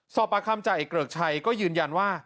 ประคำจ่าเอกเกริกชัยก็ยืนยันว่า